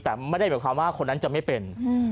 แต่ไม่ได้หมายความว่าคนนั้นจะไม่เป็น